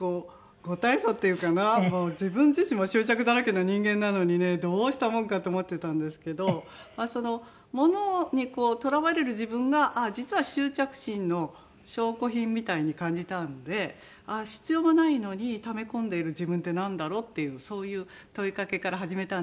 自分自身も執着だらけの人間なのにねどうしたもんかと思ってたんですけど物にとらわれる自分が実は執着心の証拠品みたいに感じたんで必要がないのにため込んでいる自分ってなんだろうっていうそういう問いかけから始めたんですね。